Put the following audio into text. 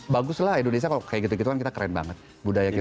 baguslah indonesia kalau kayak gitu gitu kan kita keren banget budaya kita